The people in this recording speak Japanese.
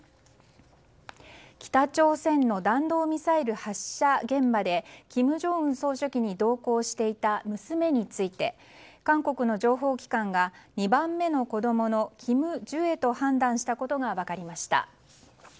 北朝鮮の弾道ミサイル発射現場で金正恩総書記に同行していた娘について韓国の情報機関が２番目の子供のキム・ジュエと判断したことが分かりました。